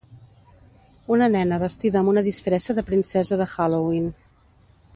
Una nena vestida amb una disfressa de princesa de Halloween.